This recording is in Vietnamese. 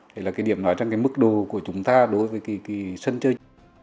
đấy là cái điểm nói rằng cái mức độ của chúng ta đối với cái sân chơi